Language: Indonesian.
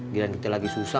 jalan kita lagi susah